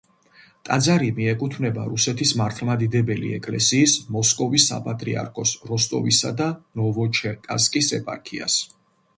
ტაძარი მიეკუთვნება რუსეთის მართლმადიდებელი ეკლესიის მოსკოვის საპატრიარქოს როსტოვისა და ნოვოჩერკასკის ეპარქიას.